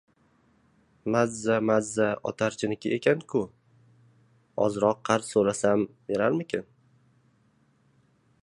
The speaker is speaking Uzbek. — Mazza-mazza otarchiniki ekan-ku. Ozroq qarz so‘rasam, berarmikin?